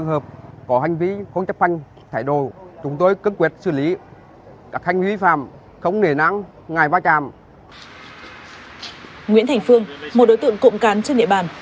nguyễn thành phương một đối tượng cộng cán trên địa bàn